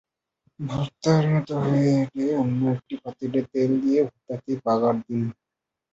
ভর্তার মতো হয়ে এলে অন্য একটি পাতিলে তেল দিয়ে ভর্তাটি বাগার দিন।